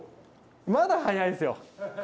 まだ早いですよ。